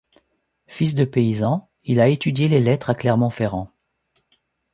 Fils de paysans, il a étudié les lettres à Clermont-Ferrand.